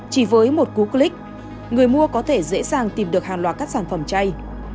chỉ với một cú click người mua có thể dễ dàng tìm được hàng loạt các sản phẩm chay